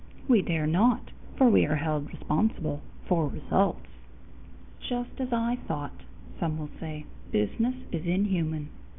We dare not, for we are held responsible for results! "Just as I thought," some will say, "business is inhuman."